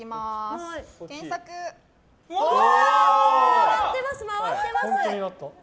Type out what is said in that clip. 回ってます、回ってます！